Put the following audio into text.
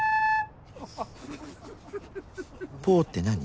「ポ」って何？